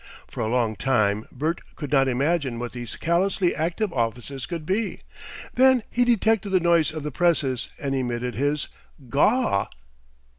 For a long time Bert could not imagine what these callously active offices could be, then he detected the noise of the presses and emitted his "Gaw!"